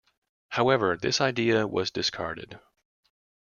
However, this idea was discarded.